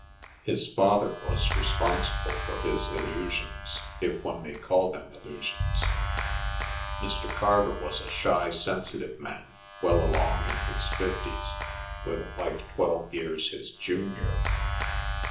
His father was responsible for his illusions, if one may call them illusions. Mr. Carver was a shy, sensitive man well along in his fifties, with a wife twelve years his junior.